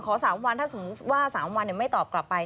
๓วันถ้าสมมุติว่า๓วันไม่ตอบกลับไป